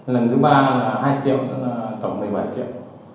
lần thứ ba là hai triệu tổng một mươi bảy triệu